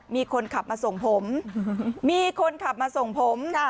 มีคนขับมาส่งผมมีคนขับมาส่งผมค่ะ